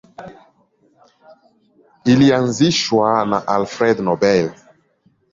Ilianzishwa na Alfred Nobel.